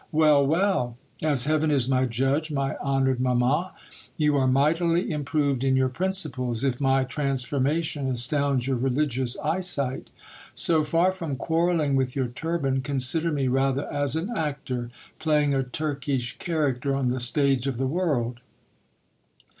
Well ! well ! as heaven is my judge, my honoured mamma, you are mightily improved in your principles, if my transformation astounds your religious eyesight. So far from quarrelling with your turban, consider me rather as an actor, playing a Turkish character on the stage of the world.